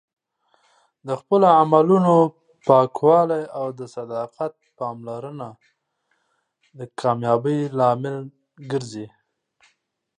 د خپلو عملونو پاکوالی او د صداقت پاملرنه د کامیابۍ لامل ګرځي.